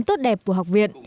tốt đẹp của học viện